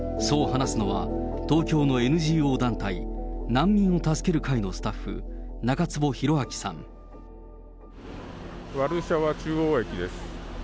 そう話すのは、東京のＮＧＯ団体難民を助ける会のスタッフ、ワルシャワ中央駅です。